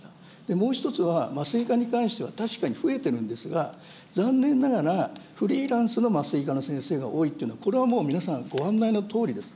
もう一つは、麻酔科に関しては、確かに増えてるんですが、残念ながらフリーランスの麻酔科の先生が多いというのが、これはもう皆さんご案内のとおりです。